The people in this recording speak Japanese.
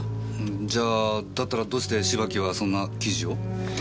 じゃあだったらどうして芝木はそんな記事を？